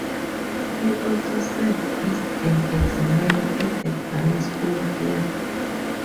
He also served as an examiner at the Ghana School of Law.